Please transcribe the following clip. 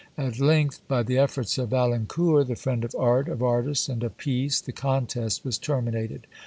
"At length, by the efforts of Valincour, the friend of art, of artists, and of peace, the contest was terminated."